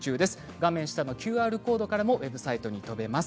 画面下のＱＲコードからもウェブサイトに飛べます。